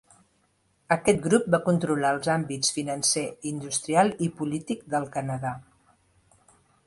Aquest grup va controlar els àmbits financer, industrial i polític del Canadà.